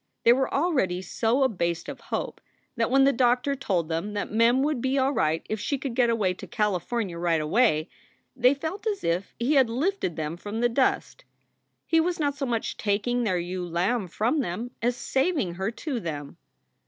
They were already so abased of hope, that when the doctor told them that Mem would be all right if she could get away to California right away, they felt as if he had lifted them from the dust. He was not so much taking their ewe lamb from them as saving her to them.